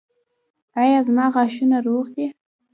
ایا زما غاښونه روغ دي؟